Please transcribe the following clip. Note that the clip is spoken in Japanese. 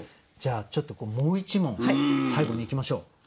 じゃあちょっともう一問最後にいきましょう。